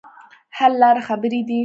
حل لاره خبرې دي.